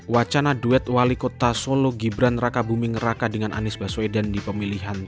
wacana duet wali kota solo gibran raka buming raka dengan anies baswedan di pemilihan